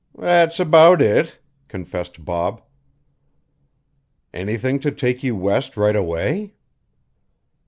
"That's about it," confessed Bob. "Anything to take you West right away?"